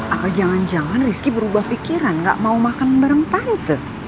atau jangan jangan rizky berubah pikiran gak mau makan bareng tante